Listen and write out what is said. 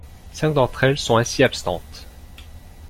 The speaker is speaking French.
Cinq d'entre elles sont ainsi absentes.